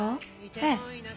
ええ。